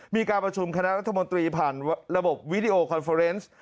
มีการประชุมคณะรัฐมนตรีผ่านระบบวิดีโอคอนเฟอร์เนส